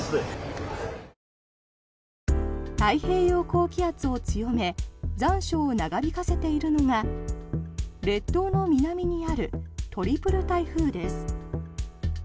太平洋高気圧を強め残暑を長引かせているのが列島の南にあるトリプル台風です。